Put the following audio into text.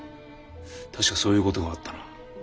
確かそういう事があったな。